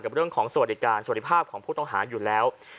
เรื่องของสวัสดิการสวัสดีภาพของผู้ต้องหาอยู่แล้ว